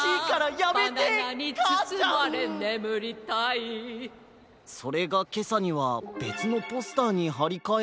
それがけさにはべつのポスターにはりかえられていて。